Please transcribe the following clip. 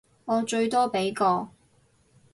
我最多畀個